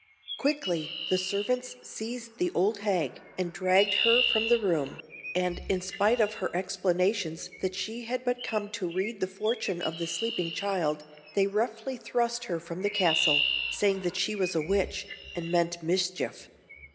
Quickly the servants seized the old hag, and dragged her from the room; and in spite of her explanations that she had but come to read the fortune of the sleeping child, they roughly thrust her from the castle, saying that she was a witch, and meant mischief.